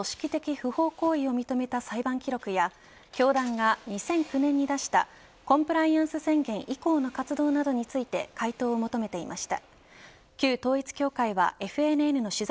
不法行為を認めた裁判記録や教団が２００９年に出したコンプライアンス宣言以降の活動などについて回答を求めていました。